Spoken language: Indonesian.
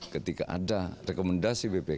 ketika ada rekomendasi bpk